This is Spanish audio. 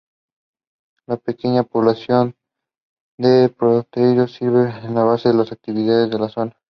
La pequeña población de Potrerillos sirve de base de las actividades por la zona.